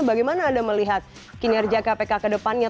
bagaimana anda melihat kinerja kpk kedepannya